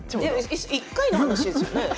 １回の話ですよね。